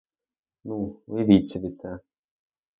Ну, уявіть собі це.